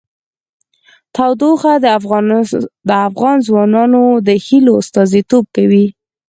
تودوخه د افغان ځوانانو د هیلو استازیتوب کوي.